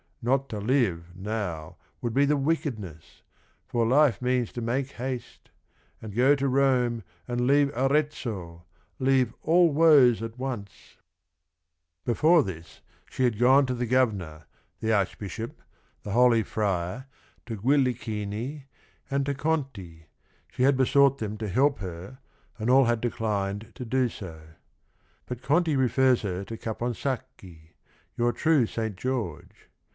Not to live, now, would be the wickedness, — For life means to make haste and go to Rome And leave Arezzo, leave all woes at once 1 '" Before this she had gone to the Governor, the Archbishop, the holy friar, to Guillichini, and to Conti; she had besought them to help her and all had declined to do so. But Conti refers her to Caponsacchi, — "your true Saint George."